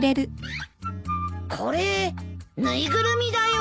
これ縫いぐるみだよ。